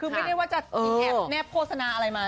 คือไม่ได้ว่าจะแนบโฆษณาอะไรมาใช่ไหม